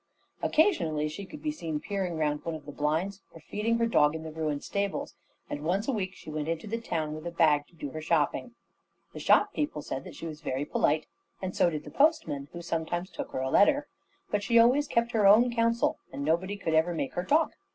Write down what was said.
Occasionally she could be seen peering round one of the blinds, or feeding her dog in the ruined stables; and once a week she went into the town with a big bag to do her shopping. The shop people said that she was very polite, and so did the postman, who sometimes took her a letter. But she always kept her own counsel, and nobody could ever make her talk.